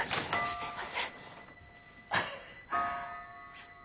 すいません。